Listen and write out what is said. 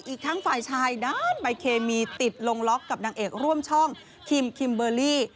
อีกทั้งฝ่ายชายด้านใบเคมีติดลงล็อกกับนางเอกร่วมช่องคิมคิมเบอร์รี่